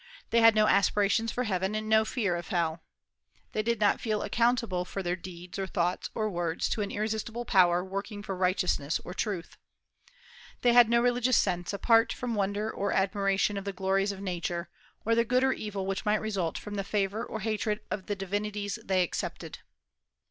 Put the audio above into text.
They had no aspirations for heaven and no fear of hell. They did not feel accountable for their deeds or thoughts or words to an irresistible Power working for righteousness or truth. They had no religious sense, apart from wonder or admiration of the glories of Nature, or the good or evil which might result from the favor or hatred of the divinities they accepted.